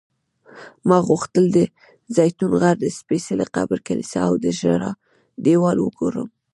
ما غوښتل د زیتون غر، د سپېڅلي قبر کلیسا او د ژړا دیوال وګورم.